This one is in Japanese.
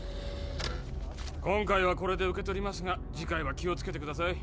今回はこれで受け取りますが次回は気をつけてください。